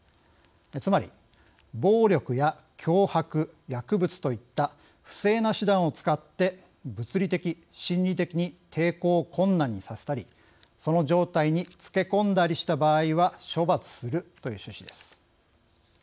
つまり、暴力や脅迫薬物といった不正な手段を使って物理的・心理的に抵抗を困難にさせたりその状態につけ込んだりした場合は処罰するという趣旨です。